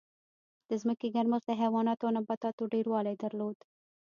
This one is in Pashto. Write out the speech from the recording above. د ځمکې ګرمښت د حیواناتو او نباتاتو ډېروالی درلود.